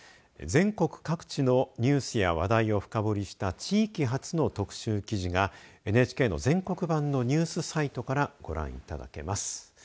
全国各地のニュースや話題を深掘りした地域発の特集記事がＮＨＫの全国版のニュースサイトからご覧いただけます。